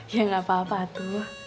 ya gak apa apa tuh